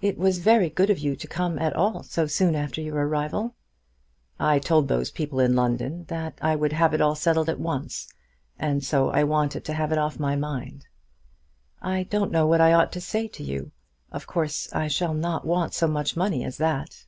"It was very good of you to come at all so soon after your arrival." "I told those people in London that I would have it all settled at once, and so I wanted to have it off my mind." "I don't know what I ought to say to you. Of course I shall not want so much money as that."